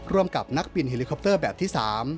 ร่วมกับนักบินเฮลิคอปเตอร์แบบที่๓